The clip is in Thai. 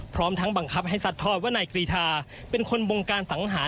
พร้อมทั้งบังคับให้สัดทอดว่านายกรีธาเป็นคนบงการสังหาร